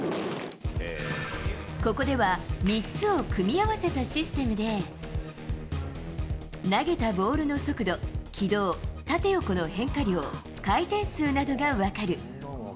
ここでは３つを組み合わせたシステムで、投げたボールの速度、軌道、縦横の変化量、回転数などが分かる。